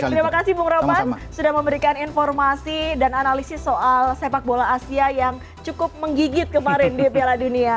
terima kasih bung roman sudah memberikan informasi dan analisis soal sepak bola asia yang cukup menggigit kemarin di piala dunia